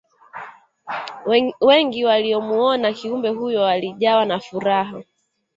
wengi waliyomuona kiumbe huyo walijawa na furaha